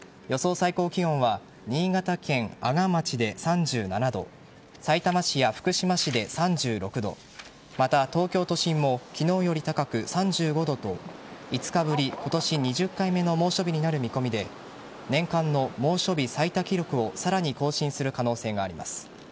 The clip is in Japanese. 最高気温は新潟県阿賀町で３７度さいたま市や福島市で３６度また、東京都心も昨日より高く３５度と５日ぶり、今年２０回目の猛暑日になる見込みで年間の猛暑日最多記録をさらに更新する可能性があります。